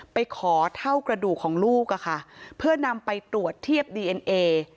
ไปขอเท่ากระดูกของลูกอะค่ะเพื่อนำไปตรวจเทียบดีเอ็นเอ